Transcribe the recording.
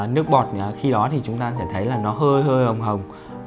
nước bọt khi đó thì chúng ta sẽ thấy là nó hơi hơi hồng hồng